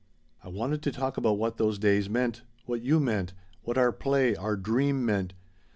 I wanted to talk about what those days meant what you meant what our play our dream meant.